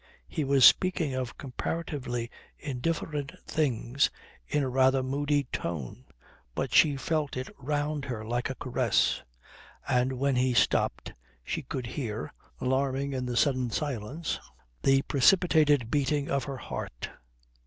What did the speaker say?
He was speaking of comparatively indifferent things in a rather moody tone, but she felt it round her like a caress. And when he stopped she could hear, alarming in the sudden silence, the precipitated beating of her heart.